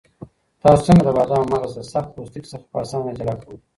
تاسو څنګه د بادامو مغز له سخت پوستکي څخه په اسانۍ جلا کوئ؟